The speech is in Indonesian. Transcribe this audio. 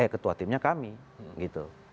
ketua timnya kami